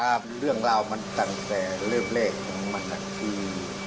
ครับเรื่องราวมันตั้งแต่เริ่มเลขมันนักที่